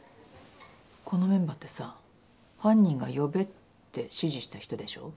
このメンバーってさ犯人が呼べって指示した人でしょ？